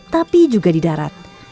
tapi juga di darat